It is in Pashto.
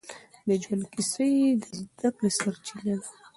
د ژوند کيسه يې د زده کړې سرچينه ده.